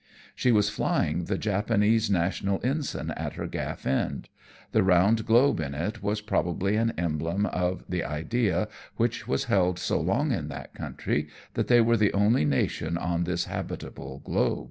She was flying the Japanese national ensign at her gafi" end ; the round globe in it was probably an emblem of the idea, which was held so long in that country, that they were the only nation on this habitable globe.